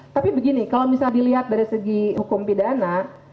tapi begini kalau misalnya dilihat dari segi hukum pidana